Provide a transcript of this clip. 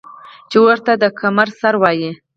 چې ورته د کمر سر وايي ـ